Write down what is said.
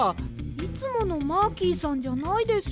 いつものマーキーさんじゃないです。